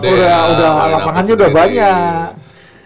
udah udah lapangannya sudah banyak